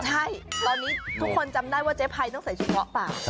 ใช่ตอนนี้ทุกคนจำได้ว่าเจ๊ภัยต้องใส่เฉพาะเปล่า